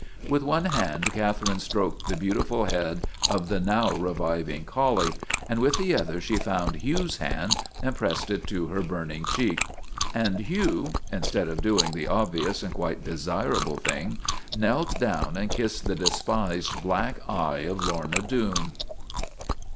With one hand Catherine stroked the beautiful head of the now reviving collie, and with the other she found Hugh's hand and pressed it to her burning cheek. And Hugh, instead of doing the obvious and quite desirable thing, knelt down and kissed the despised black eye of Lorna Doone.